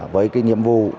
với cái nhiệm vụ